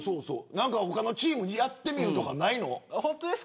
他のチームでやってみるとかないの。